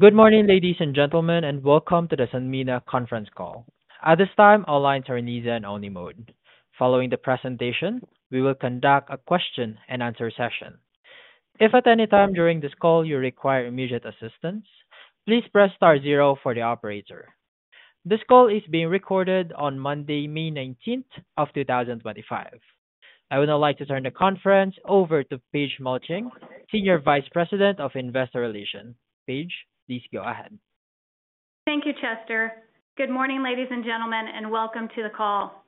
Good morning, ladies and gentlemen, and welcome to the Sanmina Conference Call. At this time, all lines are in listen-only mode. Following the presentation, we will conduct a question-and-answer session. If at any time during this call you require immediate assistance, please press star zero for the operator. This call is being recorded on Monday, May 19th of 2025. I would now like to turn the conference over to Paige Melching, Senior Vice President of Investor Relations. Paige, please go ahead. Thank you, Chester. Good morning, ladies and gentlemen, and welcome to the call.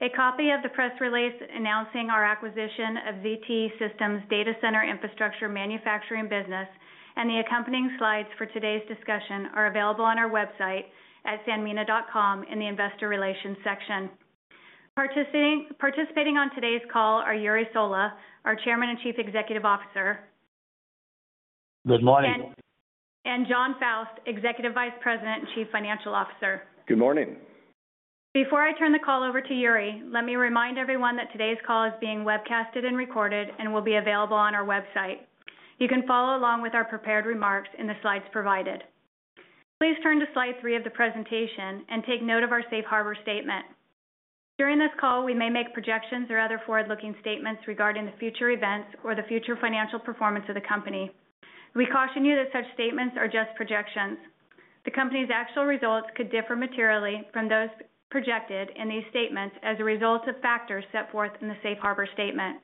A copy of the press release announcing our acquisition of ZT Systems' data center infrastructure manufacturing business and the accompanying slides for today's discussion are available on our website at sanmina.com in the Investor Relations section. Participating on today's call are Jure Sola, our Chairman and Chief Executive Officer. Good morning. Jon Faust, Executive Vice President and Chief Financial Officer. Good morning. Before I turn the call over to Jure, let me remind everyone that today's call is being webcast and recorded and will be available on our website. You can follow along with our prepared remarks in the slides provided. Please turn to slide three of the presentation and take note of our safe harbor statement. During this call, we may make projections or other forward-looking statements regarding future events or the future financial performance of the company. We caution you that such statements are just projections. The company's actual results could differ materially from those projected in these statements as a result of factors set forth in the safe harbor statement.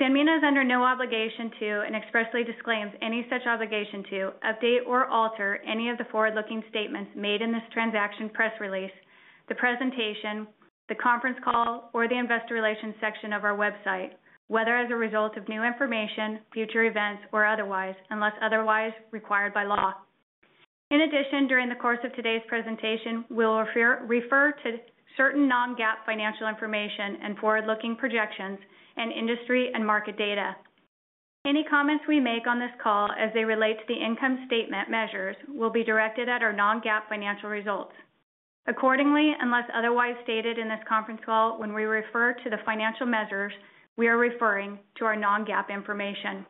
Sanmina is under no obligation to and expressly disclaims any such obligation to update or alter any of the forward-looking statements made in this transaction press release, the presentation, the conference call, or the investor relations section of our website, whether as a result of new information, future events, or otherwise, unless otherwise required by law. In addition, during the course of today's presentation, we'll refer to certain non-GAAP financial information and forward-looking projections and industry and market data. Any comments we make on this call as they relate to the income statement measures will be directed at our non-GAAP financial results. Accordingly, unless otherwise stated in this conference call when we refer to the financial measures, we are referring to our non-GAAP information.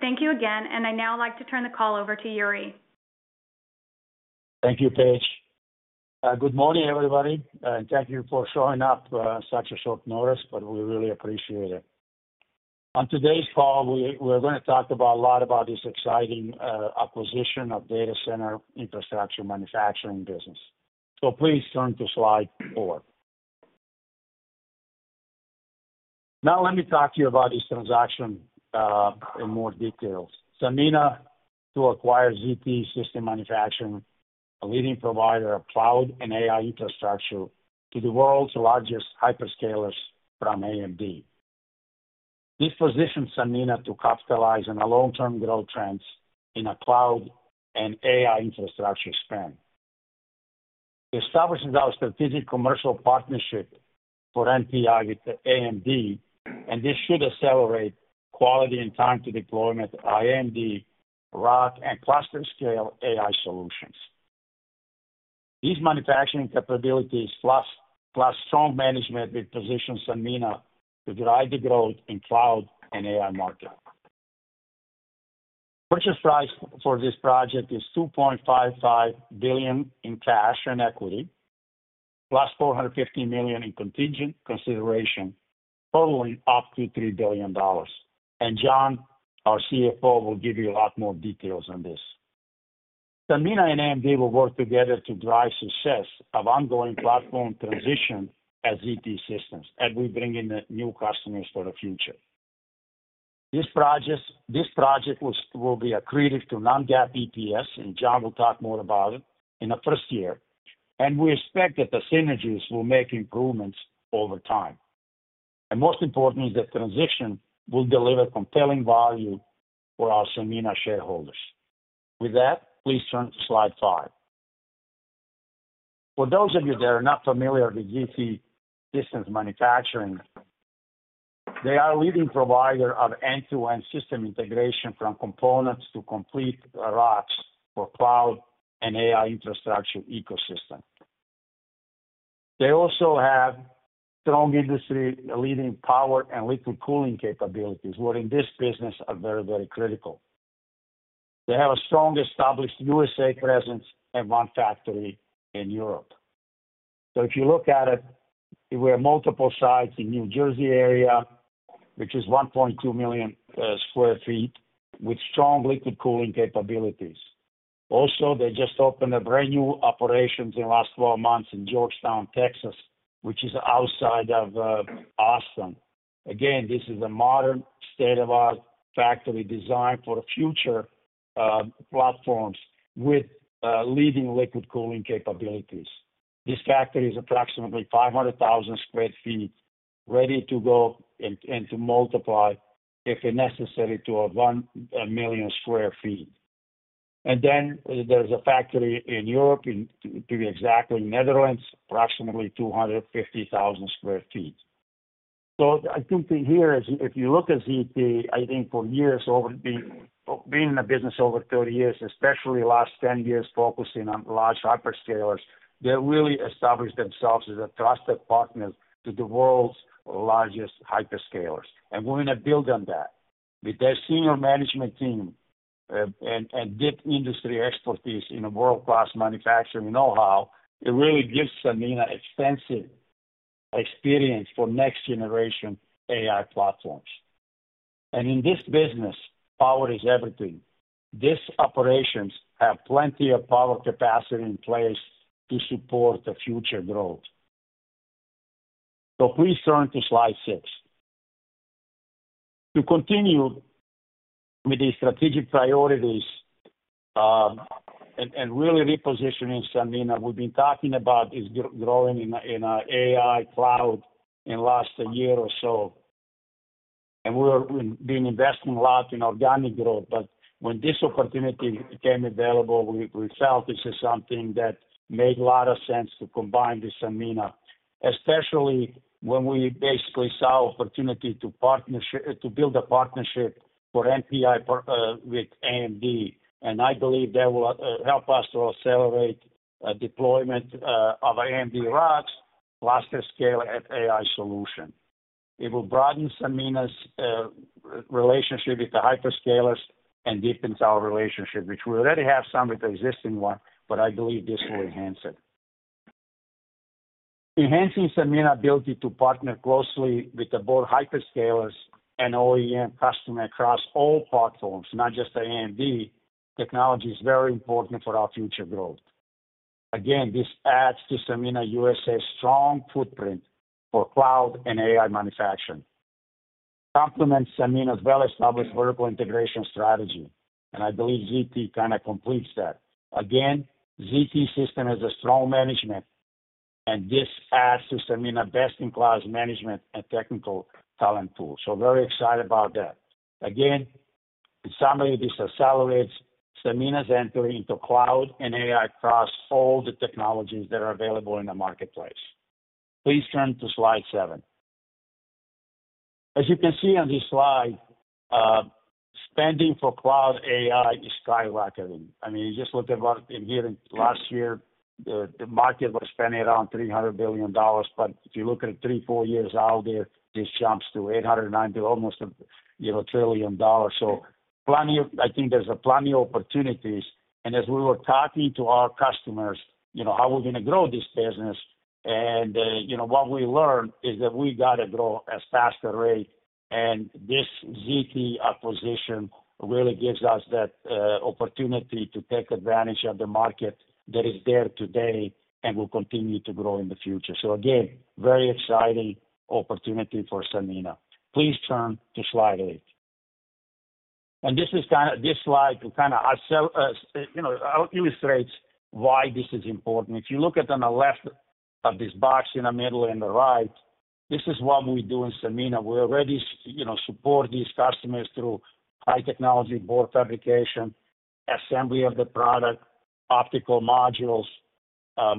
Thank you again, and I now like to turn the call over to Jure. Thank you, Paige. Good morning, everybody. Thank you for showing up on such short notice, but we really appreciate it. On today's call, we're going to talk a lot about this exciting acquisition of data center infrastructure manufacturing business. Please turn to slide four. Now let me talk to you about this transaction in more detail. Sanmina to acquire ZT Systems Manufacturing, a leading provider of cloud and AI infrastructure to the world's largest hyperscalers from AMD. This positions Sanmina to capitalize on the long-term growth trends in cloud and AI infrastructure spend. This establishes our strategic commercial partnership for NPI with AMD, and this should accelerate quality and time to deployment of AMD ROCm and cluster-scale AI solutions. These manufacturing capabilities plus strong management will position Sanmina to drive the growth in cloud and AI market. Purchase price for this project is $2.55 billion in cash and equity, plus $450 million in contingent consideration, totaling up to $3 billion. Jon, our CFO, will give you a lot more details on this. Sanmina and AMD will work together to drive success of ongoing platform transition at ZT Systems as we bring in new customers for the future. This project will be accredited to non-GAAP EPS, and Jon will talk more about it in the first year. We expect that the synergies will make improvements over time. Most importantly, the transition will deliver compelling value for our Sanmina shareholders. With that, please turn to slide five. For those of you that are not familiar with ZT Systems Manufacturing, they are a leading provider of end-to-end system integration from components to complete ROCs for cloud and AI infrastructure ecosystem. They also have strong industry-leading power and liquid cooling capabilities, which in this business are very, very critical. They have a strong established US presence and one factory in Europe. If you look at it, we have multiple sites in the New Jersey area, which is 1.2 million sq ft with strong liquid cooling capabilities. Also, they just opened a brand new operation in the last 12 months in Georgetown, Texas, which is outside of Austin. This is a modern state-of-the-art factory designed for future platforms with leading liquid cooling capabilities. This factory is approximately 500,000 sq ft, ready to go and to multiply, if necessary, to 1 million sq ft. There is a factory in Europe, to be exact, in the Netherlands, approximately 250,000 sq ft. I think here, if you look at ZT, I think for years over being in the business over 30 years, especially the last 10 years focusing on large hyperscalers, they really established themselves as a trusted partner to the world's largest hyperscalers. We're going to build on that. With their senior management team and deep industry expertise in world-class manufacturing know-how, it really gives Sanmina extensive experience for next-generation AI platforms. In this business, power is everything. These operations have plenty of power capacity in place to support the future growth. Please turn to slide six. To continue with these strategic priorities and really repositioning Sanmina, we've been talking about this growing in AI cloud in the last year or so. We've been investing a lot in organic growth. When this opportunity became available, we felt this is something that made a lot of sense to combine with Sanmina, especially when we basically saw an opportunity to build a partnership for NPI with AMD. I believe that will help us to accelerate deployment of our AMD ROCm, cluster-scale, and AI solution. It will broaden Sanmina's relationship with the hyperscalers and deepens our relationship, which we already have some with the existing one, but I believe this will enhance it. Enhancing Sanmina's ability to partner closely with both hyperscalers and OEM customers across all platforms, not just AMD, technology is very important for our future growth. Again, this adds to Sanmina's US strong footprint for cloud and AI manufacturing. It complements Sanmina's well-established vertical integration strategy. I believe ZT kind of completes that. Again, ZT Systems has a strong management, and this adds to Sanmina's best-in-class management and technical talent pool. So very excited about that. Again, in summary, this accelerates Sanmina's entry into cloud and AI across all the technologies that are available in the marketplace. Please turn to slide seven. As you can see on this slide, spending for cloud AI is skyrocketing. I mean, you just look at what we did last year. The market was spending around $300 billion. But if you look at three, four years out there, this jumps to $890 billion, almost a trillion dollars. So I think there's plenty of opportunities. And as we were talking to our customers, how we're going to grow this business, and what we learned is that we got to grow at a faster rate. This ZT acquisition really gives us that opportunity to take advantage of the market that is there today and will continue to grow in the future. Again, very exciting opportunity for Sanmina. Please turn to slide eight. This slide kind of illustrates why this is important. If you look at on the left of this box in the middle and the right, this is what we do in Sanmina. We already support these customers through high-technology board fabrication, assembly of the product, optical modules,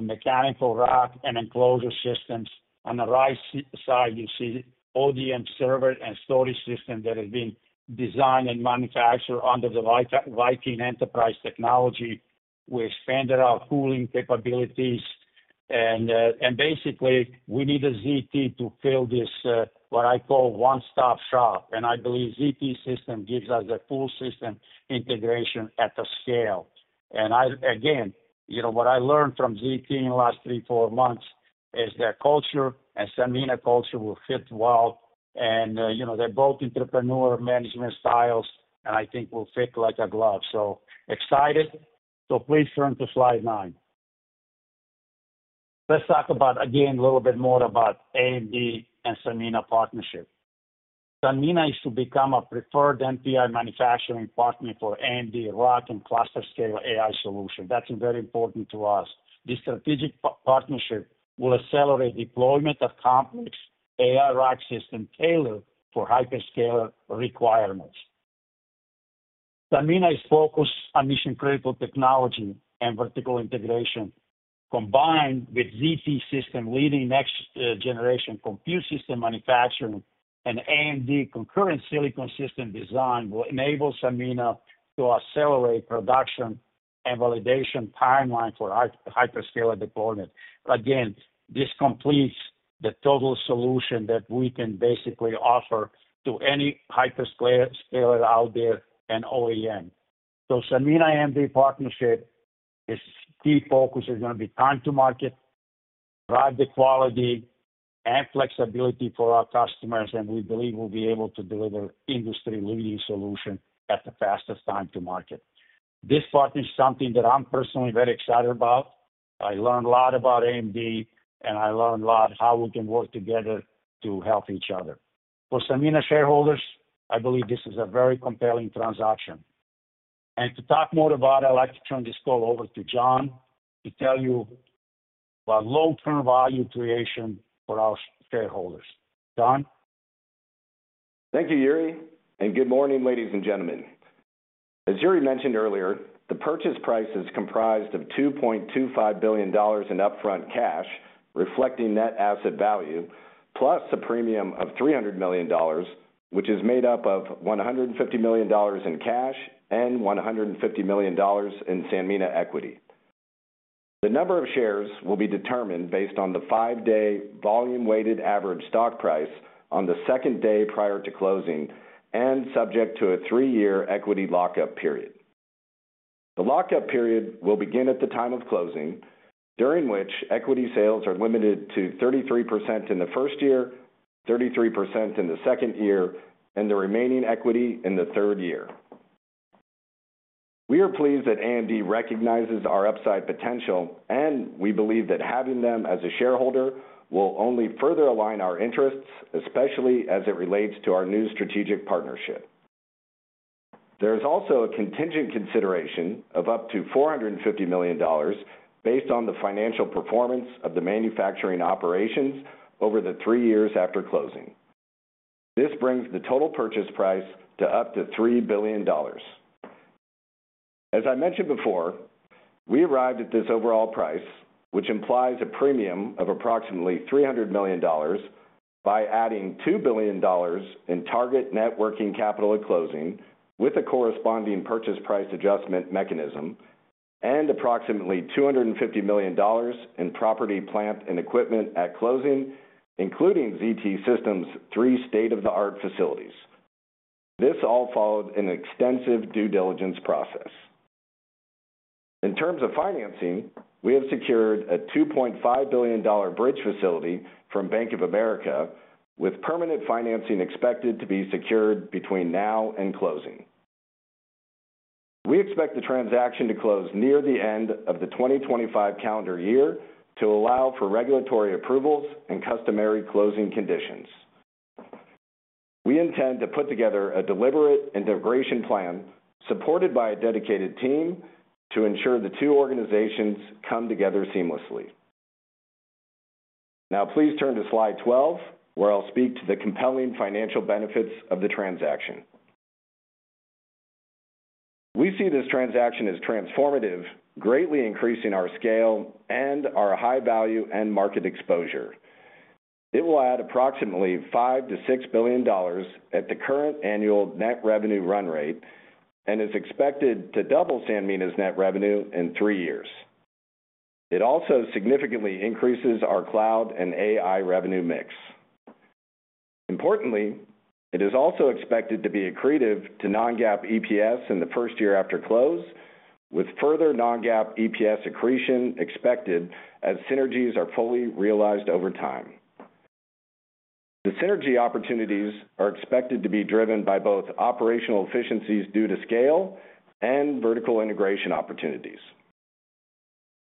mechanical ROC, and enclosure systems. On the right side, you see ODM server and storage system that has been designed and manufactured under the Viking Enterprise technology. We expanded our cooling capabilities. Basically, we need a ZT to fill this, what I call, one-stop shop. I believe ZT Systems gives us the full system integration at a scale. What I learned from ZT in the last three, four months is their culture and Sanmina culture will fit well. They are both entrepreneurial management styles, and I think will fit like a glove. Excited. Please turn to slide nine. Let's talk about a little bit more about AMD and Sanmina partnership. Sanmina is to become a preferred NPI manufacturing partner for AMD ROC and cluster-scale AI solutions. That is very important to us. This strategic partnership will accelerate deployment of complex AI ROC system tailored for hyperscaler requirements. Sanmina is focused on mission-critical technology and vertical integration. Combined with ZT Systems leading next-generation compute system manufacturing and AMD concurrent silicon system design will enable Sanmina to accelerate production and validation timeline for hyperscaler deployment. This completes the total solution that we can basically offer to any hyperscaler out there and OEM. Sanmina-AMD partnership, its key focus is going to be time to market, drive the quality, and flexibility for our customers. We believe we'll be able to deliver industry-leading solution at the fastest time to market. This partner is something that I'm personally very excited about. I learned a lot about AMD, and I learned a lot how we can work together to help each other. For Sanmina shareholders, I believe this is a very compelling transaction. To talk more about it, I'd like to turn this call over to Jon to tell you about long-term value creation for our shareholders. Jon? Thank you, Jure. Good morning, ladies and gentlemen. As Jure mentioned earlier, the purchase price is comprised of $2.25 billion in upfront cash, reflecting net asset value, plus a premium of $300 million, which is made up of $150 million in cash and $150 million in Sanmina equity. The number of shares will be determined based on the five-day volume-weighted average stock price on the second day prior to closing and subject to a three-year equity lockup period. The lockup period will begin at the time of closing, during which equity sales are limited to 33% in the first year, 33% in the second year, and the remaining equity in the third year. We are pleased that AMD recognizes our upside potential, and we believe that having them as a shareholder will only further align our interests, especially as it relates to our new strategic partnership. There is also a contingent consideration of up to $450 million based on the financial performance of the manufacturing operations over the three years after closing. This brings the total purchase price to up to $3 billion. As I mentioned before, we arrived at this overall price, which implies a premium of approximately $300 million by adding $2 billion in target net working capital at closing with a corresponding purchase price adjustment mechanism, and approximately $250 million in property, plant and equipment at closing, including ZT Systems' three state-of-the-art facilities. This all followed an extensive due diligence process. In terms of financing, we have secured a $2.5 billion bridge facility from Bank of America, with permanent financing expected to be secured between now and closing. We expect the transaction to close near the end of the 2025 calendar year to allow for regulatory approvals and customary closing conditions. We intend to put together a deliberate integration plan supported by a dedicated team to ensure the two organizations come together seamlessly. Now, please turn to slide 12, where I'll speak to the compelling financial benefits of the transaction. We see this transaction as transformative, greatly increasing our scale and our high value and market exposure. It will add approximately $5 billion-$6 billion at the current annual net revenue run rate and is expected to double Sanmina's net revenue in three years. It also significantly increases our cloud and AI revenue mix. Importantly, it is also expected to be accretive to non-GAAP EPS in the first year after close, with further non-GAAP EPS accretion expected as synergies are fully realized over time. The synergy opportunities are expected to be driven by both operational efficiencies due to scale and vertical integration opportunities.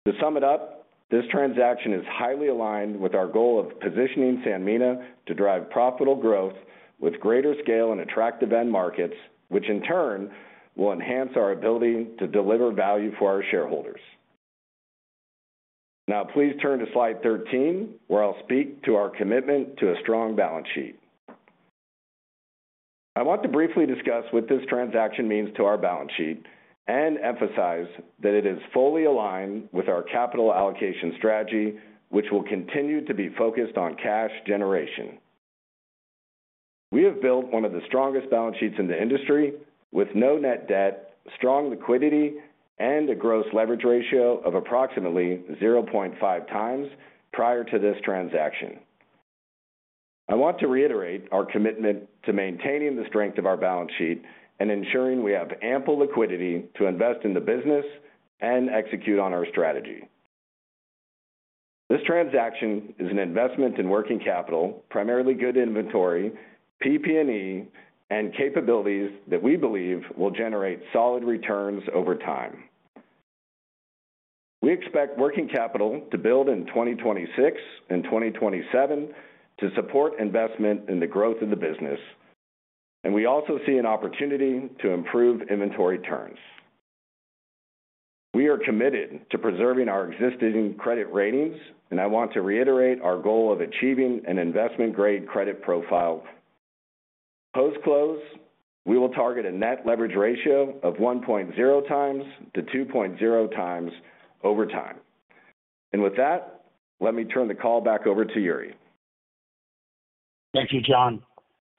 To sum it up, this transaction is highly aligned with our goal of positioning Sanmina to drive profitable growth with greater scale and attractive end markets, which in turn will enhance our ability to deliver value for our shareholders. Now, please turn to slide 13, where I'll speak to our commitment to a strong balance sheet. I want to briefly discuss what this transaction means to our balance sheet and emphasize that it is fully aligned with our capital allocation strategy, which will continue to be focused on cash generation. We have built one of the strongest balance sheets in the industry with no net debt, strong liquidity, and a gross leverage ratio of approximately 0.5 times prior to this transaction. I want to reiterate our commitment to maintaining the strength of our balance sheet and ensuring we have ample liquidity to invest in the business and execute on our strategy. This transaction is an investment in working capital, primarily good inventory, PP&E, and capabilities that we believe will generate solid returns over time. We expect working capital to build in 2026 and 2027 to support investment in the growth of the business. We also see an opportunity to improve inventory turns. We are committed to preserving our existing credit ratings, and I want to reiterate our goal of achieving an investment-grade credit profile. Post-close, we will target a net leverage ratio of 1.0 times-2.0 times over time. With that, let me turn the call back over to Jure. Thank you, Jon.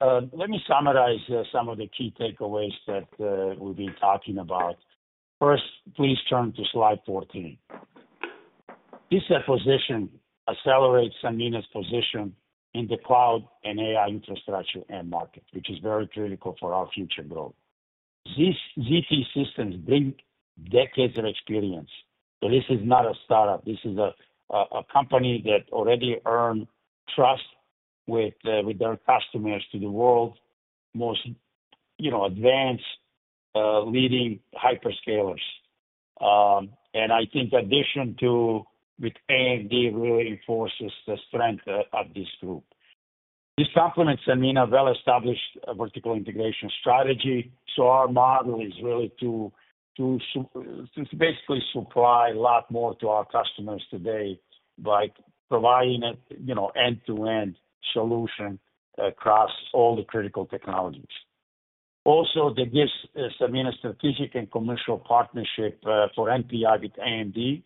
Let me summarize some of the key takeaways that we've been talking about. First, please turn to slide 14. This acquisition accelerates Sanmina's position in the cloud and AI infrastructure and market, which is very critical for our future growth. These ZT Systems bring decades of experience. This is not a startup. This is a company that already earned trust with their customers to the world, most advanced, leading hyperscalers. I think addition to with AMD really enforces the strength of this group. This complements Sanmina's well-established vertical integration strategy. Our model is really to basically supply a lot more to our customers today by providing an end-to-end solution across all the critical technologies. Also, this is a strategic and commercial partnership for NPI with AMD,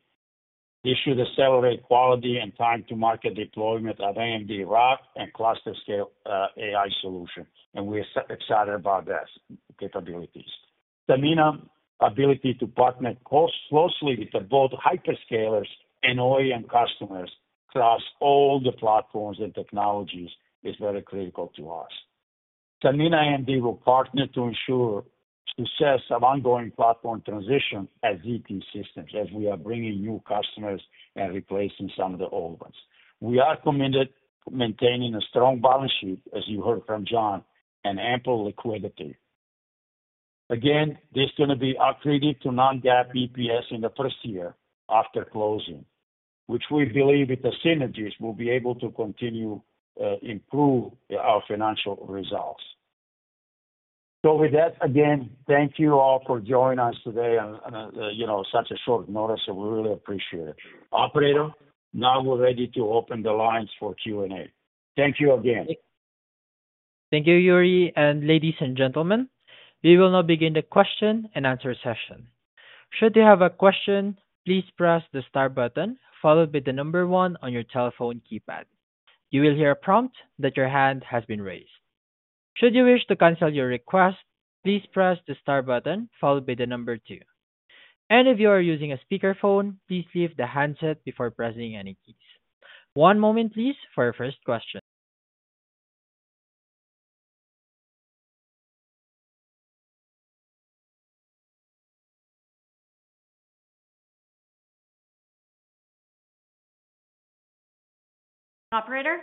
which should accelerate quality and time-to-market deployment of AMD ROC and cluster-scale AI solutions. We are excited about those capabilities. Sanmina's ability to partner closely with both hyperscalers and OEM customers across all the platforms and technologies is very critical to us. Sanmina and AMD will partner to ensure success of ongoing platform transition at ZT Systems as we are bringing new customers and replacing some of the old ones. We are committed to maintaining a strong balance sheet, as you heard from Jon, and ample liquidity. Again, this is going to be accretive to non-GAAP EPS in the first year after closing, which we believe with the synergies will be able to continue to improve our financial results. With that, again, thank you all for joining us today on such a short notice. We really appreciate it. Operator, now we're ready to open the lines for Q&A. Thank you again. Thank you, Jure. Ladies and gentlemen, we will now begin the question and answer session. Should you have a question, please press the star button followed by the number one on your telephone keypad. You will hear a prompt that your hand has been raised. Should you wish to cancel your request, please press the star button followed by the number two. If you are using a speakerphone, please leave the handset before pressing any keys. One moment, please, for our first question. Operator?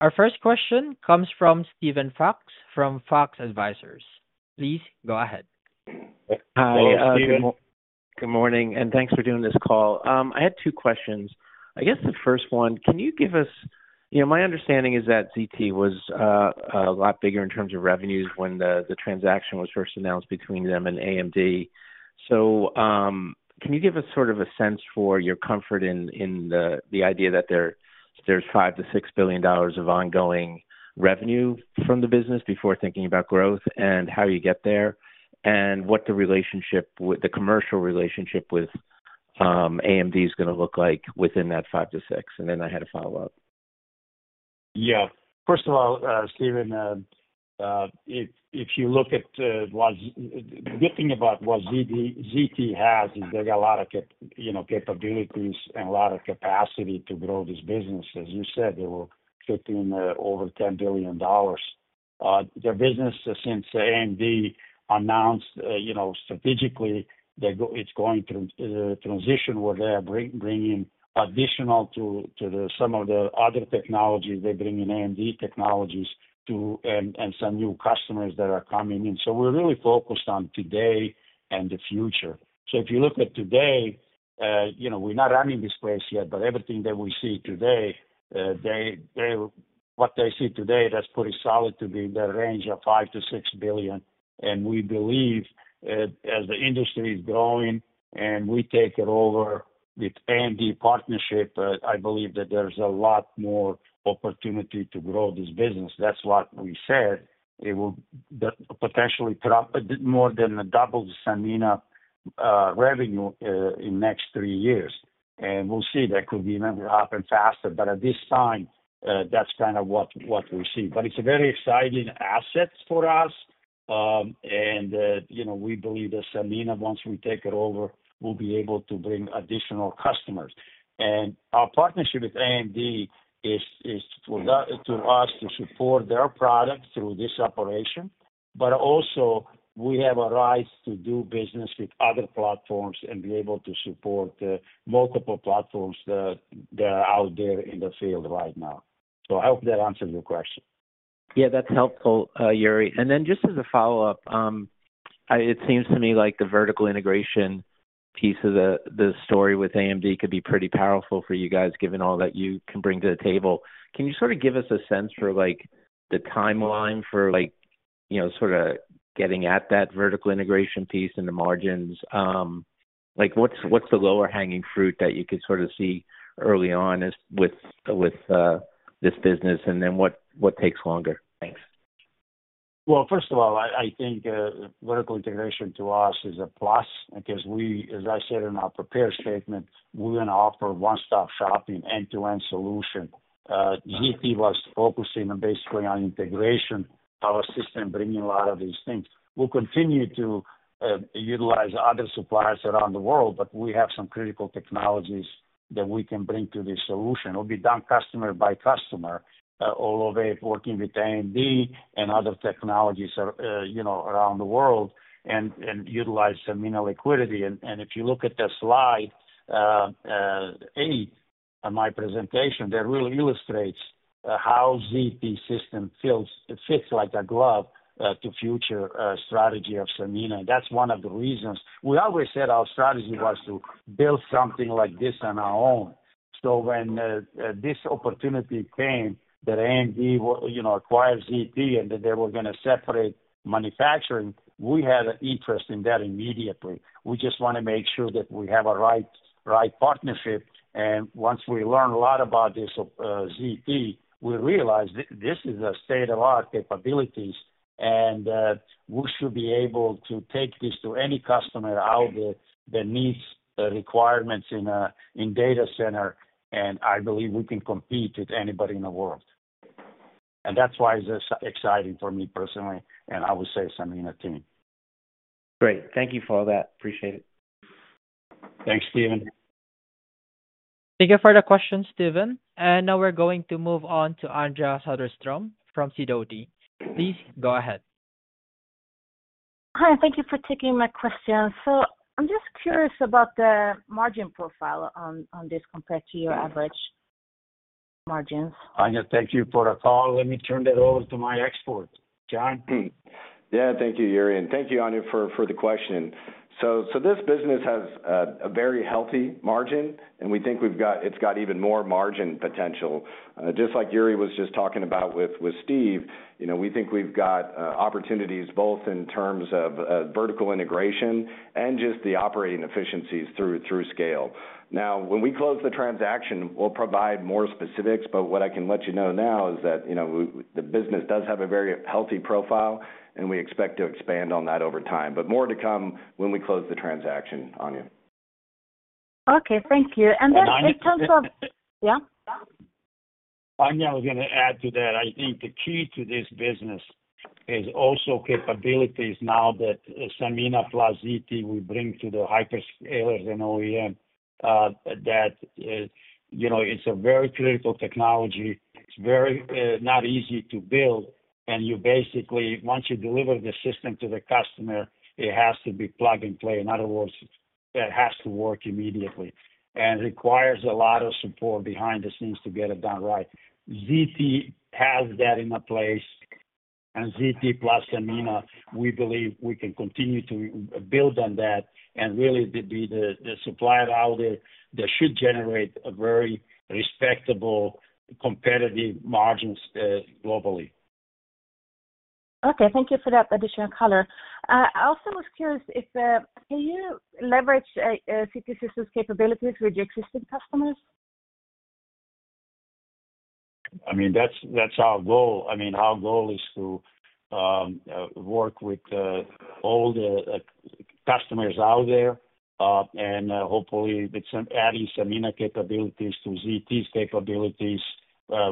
Our first question comes from Steven Fox from Fox Advisors. Please go ahead. Hi. Hi, Steve. Good morning. Thanks for doing this call. I had two questions. I guess the first one, can you give us, my understanding is that ZT was a lot bigger in terms of revenues when the transaction was first announced between them and AMD. Can you give us sort of a sense for your comfort in the idea that there's $5 billion to $6 billion of ongoing revenue from the business before thinking about growth and how you get there and what the commercial relationship with AMD is going to look like within that $5 billion-$6 billion? I had a follow-up. Yeah. First of all, Steven, if you look at what the good thing about what ZT has is they've got a lot of capabilities and a lot of capacity to grow this business. As you said, they were fitting over $10 billion. Their business, since AMD announced strategically, it's going to transition where they are bringing additional to some of the other technologies. They're bringing AMD technologies and some new customers that are coming in. We are really focused on today and the future. If you look at today, we're not running this place yet, but everything that we see today, what they see today, that's pretty solid to be in the range of $5 billion-$6 billion. We believe as the industry is growing and we take it over with AMD partnership, I believe that there's a lot more opportunity to grow this business. That's what we said. It will potentially more than double Sanmina's revenue in the next three years. We'll see. That could even happen faster. At this time, that's kind of what we see. It's a very exciting asset for us. We believe that Sanmina, once we take it over, will be able to bring additional customers. Our partnership with AMD is for us to support their product through this operation. We also have a right to do business with other platforms and be able to support multiple platforms that are out there in the field right now. I hope that answers your question. Yeah, that's helpful, Jure. Just as a follow-up, it seems to me like the vertical integration piece of the story with AMD could be pretty powerful for you guys given all that you can bring to the table. Can you sort of give us a sense for the timeline for sort of getting at that vertical integration piece and the margins? What's the lower-hanging fruit that you could sort of see early on with this business? What takes longer? Thanks. I think vertical integration to us is a plus because, as I said in our prepared statement, we're going to offer one-stop shopping, end-to-end solution. ZT was focusing basically on integration of our system, bringing a lot of these things. We'll continue to utilize other suppliers around the world, but we have some critical technologies that we can bring to this solution. It'll be done customer by customer all the way working with AMD and other technologies around the world and utilize Sanmina liquidity. If you look at the slide eight of my presentation, that really illustrates how ZT Systems fits like a glove to future strategy of Sanmina. That's one of the reasons. We always said our strategy was to build something like this on our own. When this opportunity came that AMD acquired ZT and that they were going to separate manufacturing, we had an interest in that immediately. We just want to make sure that we have a right partnership. Once we learned a lot about this ZT, we realized this is a state-of-the-art capabilities, and we should be able to take this to any customer out there that meets the requirements in a data center. I believe we can compete with anybody in the world. That is why it is exciting for me personally, and I would say Sanmina team. Great. Thank you for all that. Appreciate it. Thanks, Steven. Thank you for the question, Steven. Now we're going to move on to Andrea Söderström from Sidoti. Please go ahead. Hi. Thank you for taking my question. I'm just curious about the margin profile on this compared to your average margins. Andrea, thank you for the call. Let me turn that over to my expert, Jon. Yeah, thank you, Jure. And thank you, Andrea, for the question. This business has a very healthy margin, and we think it's got even more margin potential. Just like Jure was just talking about with Steve, we think we've got opportunities both in terms of vertical integration and just the operating efficiencies through scale. When we close the transaction, we'll provide more specifics. What I can let you know now is that the business does have a very healthy profile, and we expect to expand on that over time. More to come when we close the transaction, Andrea. Okay. Thank you. In terms of. And Andrea. Yeah? Andrea was going to add to that. I think the key to this business is also capabilities now that Sanmina plus ZT will bring to the hyperscalers and OEM that it's a very critical technology. It's not easy to build. Once you deliver the system to the customer, it has to be plug and play. In other words, it has to work immediately and requires a lot of support behind the scenes to get it done right. ZT has that in place. ZT plus Sanmina, we believe we can continue to build on that and really be the supplier out there that should generate very respectable, competitive margins globally. Okay. Thank you for that additional color. I also was curious if you leverage ZT Systems' capabilities with your existing customers? I mean, that's our goal. I mean, our goal is to work with all the customers out there. Hopefully, with adding Sanmina capabilities to ZT's capabilities,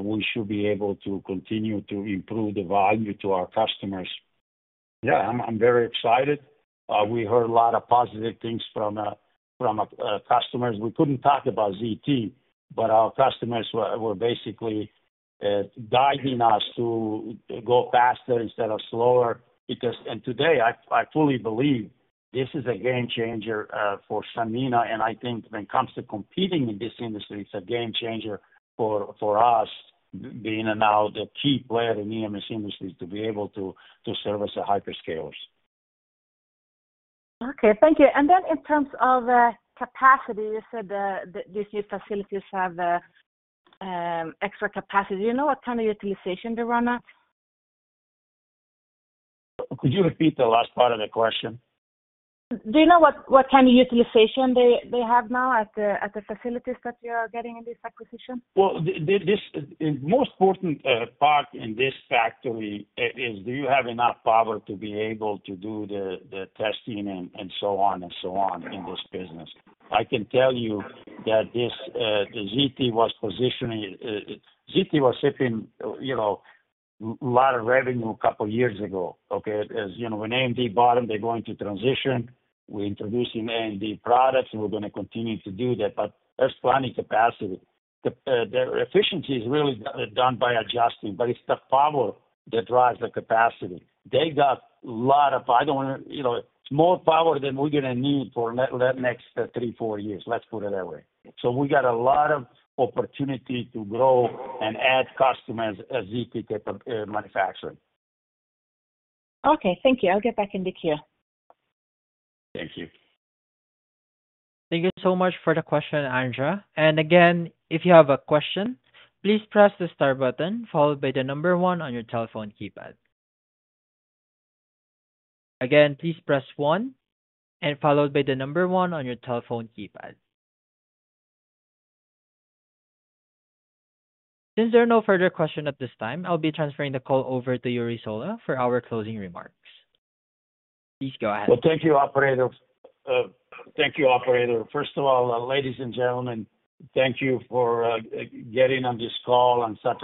we should be able to continue to improve the value to our customers. Yeah, I'm very excited. We heard a lot of positive things from customers. We could not talk about ZT, but our customers were basically guiding us to go faster instead of slower. Today, I fully believe this is a game changer for Sanmina. I think when it comes to competing in this industry, it's a game changer for us being now the key player in the EMS industry to be able to serve as a hyperscalers. Okay. Thank you. In terms of capacity, you said that these new facilities have extra capacity. Do you know what kind of utilization they run at? Could you repeat the last part of the question? Do you know what kind of utilization they have now at the facilities that you are getting in this acquisition? The most important part in this factory is do you have enough power to be able to do the testing and so on and so on in this business? I can tell you that ZT was positioning, ZT was shipping a lot of revenue a couple of years ago. Okay? When AMD bought them, they're going to transition. We're introducing AMD products, and we're going to continue to do that. That's plenty of capacity. The efficiency is really done by adjusting, but it's the power that drives the capacity. They got a lot of power. I don't want more power than we're going to need for the next three, four years. Let's put it that way. We got a lot of opportunity to grow and add customers at ZT manufacturing. Okay. Thank you. I'll get back into queue. Thank you. Thank you so much for the question, Andrea. If you have a question, please press the star button followed by the number one on your telephone keypad. Please press one followed by the number one on your telephone keypad. Since there are no further questions at this time, I'll be transferring the call over to Jure Sola for our closing remarks. Please go ahead. Thank you, Operator. First of all, ladies and gentlemen, thank you for getting on this call on such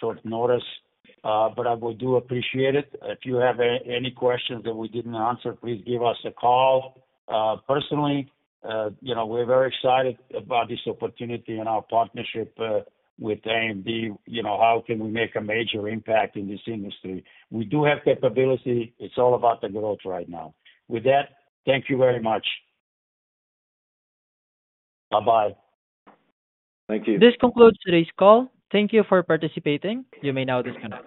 short notice. I do appreciate it. If you have any questions that we did not answer, please give us a call. Personally, we are very excited about this opportunity and our partnership with AMD. How can we make a major impact in this industry? We do have capability. It is all about the growth right now. With that, thank you very much. Bye-bye. Thank you. This concludes today's call. Thank you for participating. You may now disconnect.